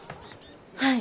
はい。